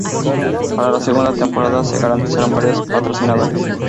Para la segunda temporada, se garantizaron varios patrocinadores.